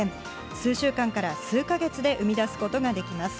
数週間から数か月で生み出すことができます。